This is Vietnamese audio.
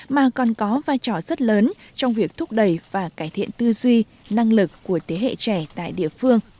mà còn có vai trò rất lớn trong việc thúc đẩy và cải thiện tư duy năng lực của thế hệ trẻ tại địa phương